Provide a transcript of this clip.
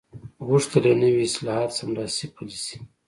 غوښتل یې نوي اصلاحات سملاسي پلي شي.